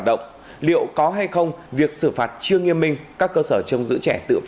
đăng ký kênh để ủng hộ kênh của mình nhé